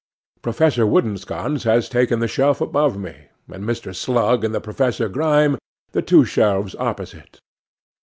Professor Woodensconce has taken the shelf above me, and Mr. Slug and Professor Grime the two shelves opposite.